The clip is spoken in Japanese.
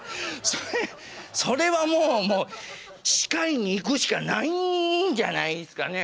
それそれはもう歯科医に行くしかないんじゃないですかね。